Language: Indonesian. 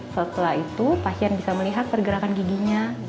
setelah itu pasien bisa melihat pergerakan giginya